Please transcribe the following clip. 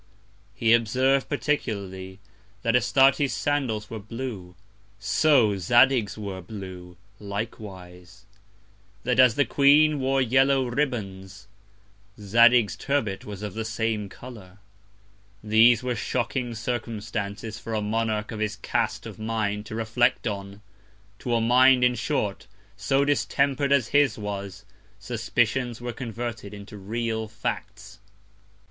He observ'd, particularly, that Astarte's Sandals were blue; so Zadig's were blue likewise; that as the Queen wore yellow Ribbands, Zadig's Turbet was of the same Colour: These were shocking Circumstances for a Monarch of his Cast of Mind to reflect on! To a Mind, in short, so distemper'd as his was, Suspicions were converted into real Facts.